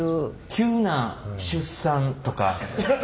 急な出産とか。